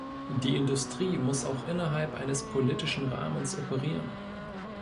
Die Industrie muss auch innerhalb eines politischen Rahmens operieren.